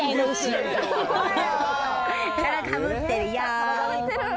柄かぶってるよ。